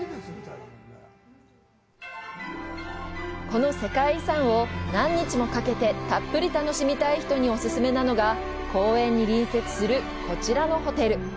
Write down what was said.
この世界遺産を、何日もかけてたっぷり楽しみたい人にお勧めなのが公園に隣接するこちらのホテル。